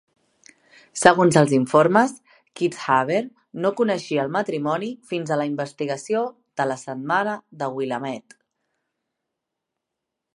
Segons els informes, Kitzhaber no coneixia el matrimoni fins a la investigació de la "Setmana de Willamette".